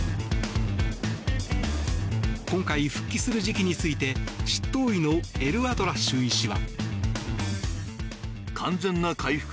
今回、復帰する時期について執刀医のエルアトラッシュ医師は。